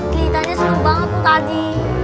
kelihatannya seneng banget tuh tadi